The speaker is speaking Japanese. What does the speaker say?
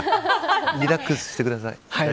リラックスしてください。